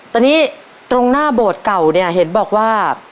ตอนนี้ตรงหน้าโบสถ์เก่าเนี่ยเห็นบอกว่า